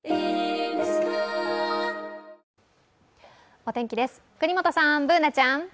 お天気です、國本さん、Ｂｏｏｎａちゃん。